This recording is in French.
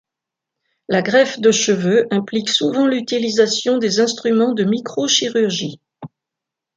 La greffe de cheveux implique souvent l'utilisation des instruments de microchirurgie.